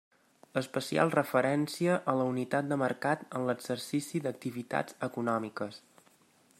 Especial referencia a la unitat de mercat en l'exercici d'activitats econòmiques.